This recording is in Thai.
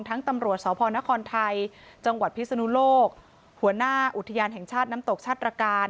ตำรวจสพนครไทยจังหวัดพิศนุโลกหัวหน้าอุทยานแห่งชาติน้ำตกชาติตรการ